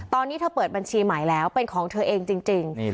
ตอนนี้เธอเปิดบัญชีใหม่แล้วเป็นของเธอเองจริง